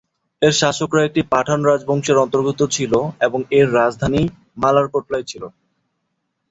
এর শাসকরা একটি পাঠান রাজবংশের অন্তর্গত ছিল, এবং এর রাজধানী মালারকোটলায় ছিল।